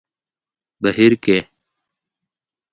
بهير کې